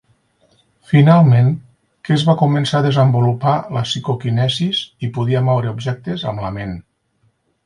Finalment, Kes va començar a desenvolupar la psicoquinesis i podia moure objectes amb la ment.